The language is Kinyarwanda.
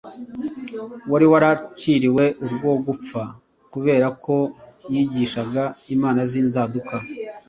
wari waraciriwe urwo gupfa kubera ko yigishaga imana z’inzaduka.